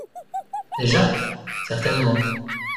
, Déjà ? Certainement.